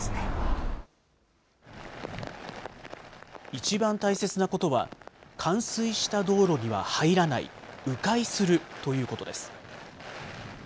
一番大切なことは、冠水した道路には入らない、う回するということです。